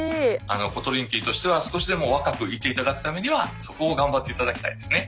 あのコトリンキーとしては少しでも若くいていただくためにはそこを頑張っていただきたいですね。